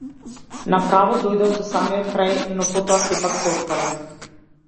На право дојдов до самиот крај, но потоа сепак се откажав.